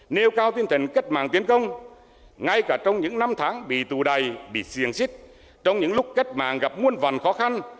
nêu cao tiên thần cách mạng tiến công ngay cả trong những năm tháng bị tù đầy bị xiềng xích trong những lúc cách mạng gặp muôn vòn khó khăn